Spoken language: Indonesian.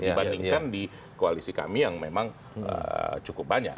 dibandingkan di koalisi kami yang memang cukup banyak